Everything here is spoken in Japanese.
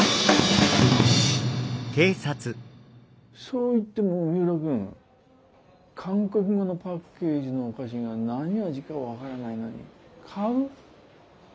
そう言っても三浦くん韓国語のパッケージのお菓子が何味か分からないのに買う？